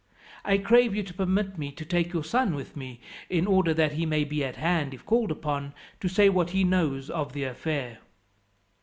I crave you to permit me to take your son with me, in order that he may be at hand, if called upon, to say what he knows of the affair."